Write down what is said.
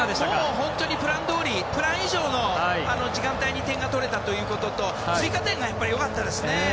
本当にプランどおりプラン以上の時間帯に点が取れたということと追加点が良かったですね。